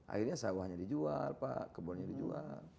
akhirnya sawahnya dijual pak kebunnya dijual